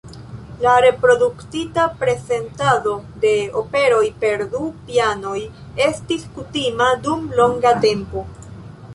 La reduktita prezentado de operoj per du pianoj estis kutima dum longa tempo.